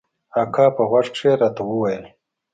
اکا په غوږ کښې راته وويل.